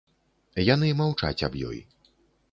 Яны маўчаць аб ёй.